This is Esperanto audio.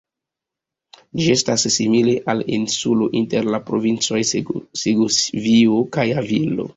Ĝi estas simile al insulo, inter la provincoj Segovio kaj Avilo.